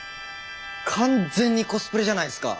完全にコスプレじゃないすか。